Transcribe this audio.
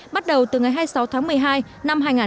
bắt đầu từ ngày hai mươi sáu tháng một mươi hai